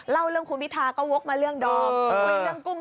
เล่าเรื่องคุณพิทาก็วกมาเรื่องดอม